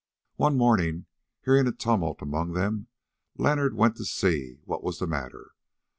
One morning, hearing a tumult among them, Leonard went to see what was the matter.